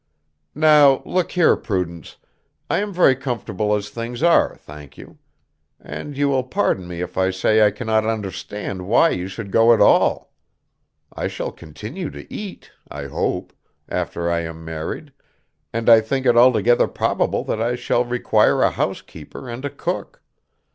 "Now, look here, Prudence, I am very comfortable as things are, thank you. And you will pardon me if I say I cannot understand why you should go at all. I shall continue to eat, I hope, after I am married, and I think it altogether probable that I shall require a house keeper and a cook.